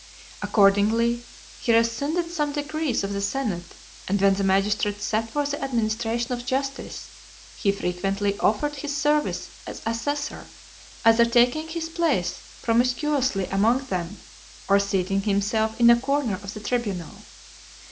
Accordingly, he rescinded some decrees of the senate; and when the magistrates sat for the administration of justice, he frequently offered his service as assessor, either taking his place promiscuously amongst them, or seating himself in a corner of the tribunal.